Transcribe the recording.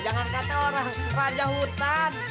jangan kata orang raja hutan